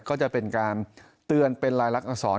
ก็จะเป็นการเตือนเป็นลายลักษร